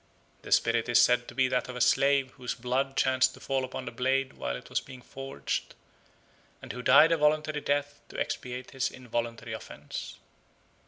The spirit is said to be that of a slave, whose blood chanced to fall upon the blade while it was being forged, and who died a voluntary death to expiate his involuntary offence.